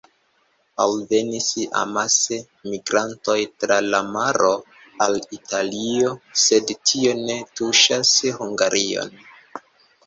Alvenis amase migrantoj tra la maro al Italio, sed tio ne tuŝas Hungarion.